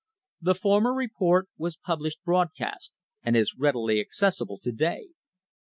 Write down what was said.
The former report was pub lished broadcast, and is readily accessible to day.